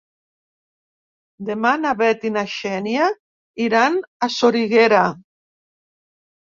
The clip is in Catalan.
Demà na Bet i na Xènia iran a Soriguera.